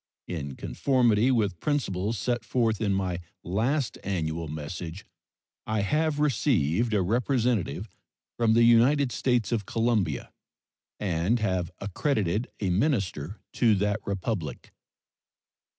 In conformity with principles set forth in my last annual message, I have received a representative from the United States of Colombia, and have accredited a minister to that Republic.